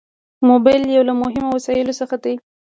موبایل یو له مهمو وسایلو څخه دی.